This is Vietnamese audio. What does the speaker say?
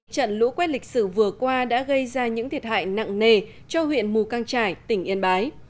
trận lũ quét lịch sử vừa qua đã gây ra những thiệt hại nặng nề cho huyện mù căng trải tỉnh yên bái